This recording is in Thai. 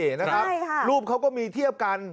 ใช่นะครับรูปเขาก็มีเทียบกัน